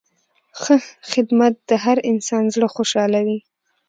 ښه خدمت د هر انسان زړه خوشحالوي.